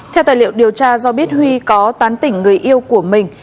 theo tài liệu điều tra do biết huy có tán tỉnh người yêu của mình